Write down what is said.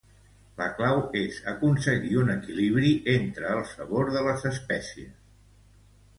La clau és aconseguir un equilibri entre el sabor de les espècies.